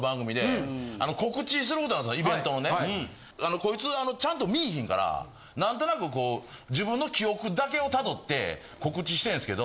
こいつちゃんと見ぃひんから何となくこう自分の記憶だけを辿って告知してるんすけど。